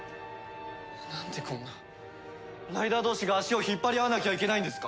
なんでこんなライダー同士が足を引っ張り合わなきゃいけないんですか？